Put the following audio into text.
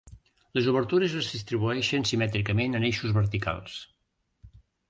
Les obertures es distribueixen simètricament en eixos verticals.